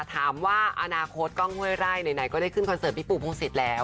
ถามว่าอนาคตกล้องห้วยไร่ไหนก็ได้ขึ้นคอนเสิร์ตพี่ปู่พงศิษย์แล้ว